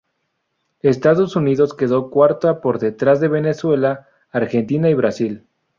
Estados Unidos quedó cuarta por detrás de Venezuela, Argentina y Brasil.